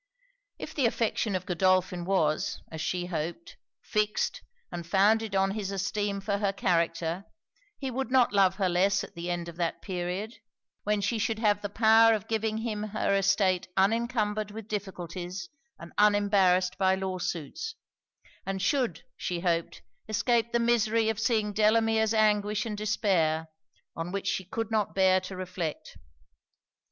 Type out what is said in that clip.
If the affection of Godolphin was, as she hoped, fixed, and founded on his esteem for her character, he would not love her less at the end of that period, when she should have the power of giving him her estate unincumbered with difficulties and unembarrassed by law suits; and should, she hoped, escape the misery of seeing Delamere's anguish and despair, on which she could not bear to reflect.